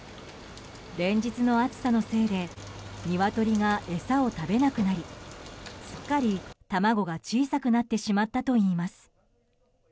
連日の暑さのせいでニワトリが餌を食べなくなりすっかり卵が小さくなってしまったといいます。